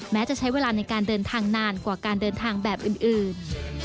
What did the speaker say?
จะใช้เวลาในการเดินทางนานกว่าการเดินทางแบบอื่น